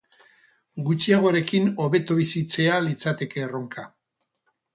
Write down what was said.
Gutxiagorekin hobeto bizitzea litzateke erronka.